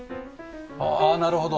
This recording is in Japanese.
ああなるほど。